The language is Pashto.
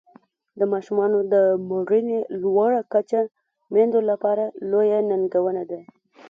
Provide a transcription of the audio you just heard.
د ماشومانو د مړینې لوړه کچه میندو لپاره لویه ننګونه ده.